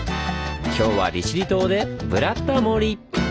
今日は利尻島で「ブラタモリ」！